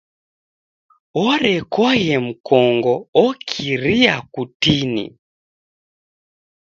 Orekoghe mkongo okiria kutini.